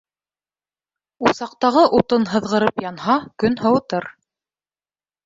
Усаҡтағы утын һыҙғырып янһа, көн һыуытыр.